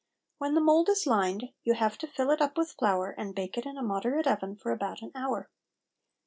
When the mould is lined, you have to fill it up with flour, and bake it in a moderate oven for about an hour.